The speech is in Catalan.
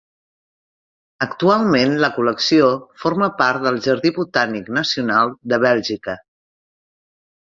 Actualment la col·lecció forma part del Jardí Botànic Nacional de Bèlgica.